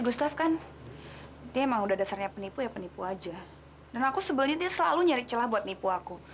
sampai jumpa di video selanjutnya